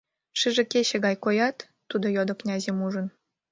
Шыже кече гай коят?» Тудо йодо князьым ужын.